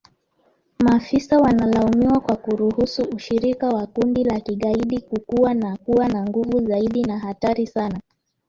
Maafisa wanalaumiwa kwa kuruhusu ushirika wa kundi la kigaidi kukua na kuwa na nguvu zaidi na hatari sana